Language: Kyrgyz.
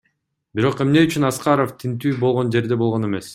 Бирок эмне үчүн Аскаров тинтүү болгон жерде болгон эмес?